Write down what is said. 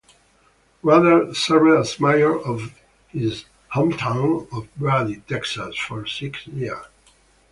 Rudder served as mayor of his hometown of Brady, Texas for six years.